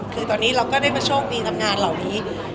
คือตอนนี้เราก็ได้มาโชคดีกับงานเหล่านี้